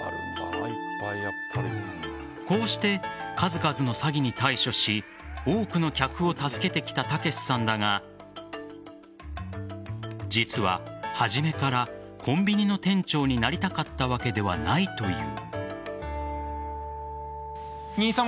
こうして、数々の詐欺に対処し多くの客を助けてきた剛さんだが実は、初めからコンビニの店長になりたかったわけではないという。